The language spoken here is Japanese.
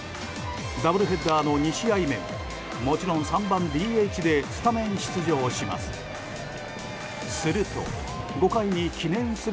ダブルヘッダーの２試合目ももちろん３番ＤＨでスタメン出場します。